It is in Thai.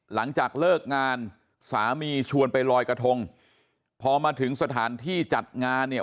หลังจากเลิกงานสามีชวนไปลอยกระทงพอมาถึงสถานที่จัดงานเนี่ย